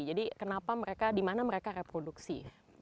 jadi kenapa mereka di mana mereka reproduksi